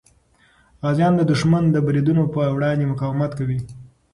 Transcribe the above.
غازیان د دښمن د بریدونو په وړاندې مقاومت کوي.